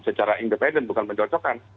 secara independen bukan mencocokkan